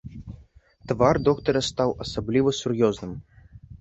Твар доктара стаў асабліва сур'ёзным.